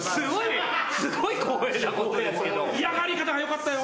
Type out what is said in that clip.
嫌がり方が良かったよ。